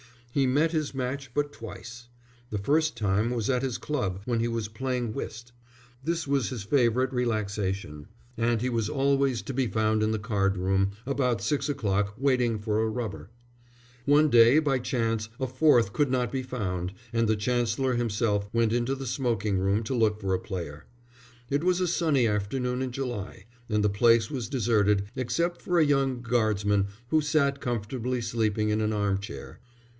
He met his match but twice. The first time was at his club when he was playing whist. This was his favourite relaxation, and he was always to be found in the card room about six o'clock waiting for a rubber. One day by chance a fourth could not be found, and the Chancellor himself went into the smoking room to look for a player. It was a sunny afternoon in July, and the place was deserted, except for a young guardsman who sat comfortably sleeping in an arm chair.